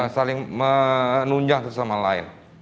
saling menunjang satu sama lain